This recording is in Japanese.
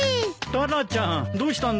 タラちゃんどうしたんだい？